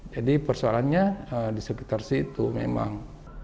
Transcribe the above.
jadi persoalannya di sekitar situ memang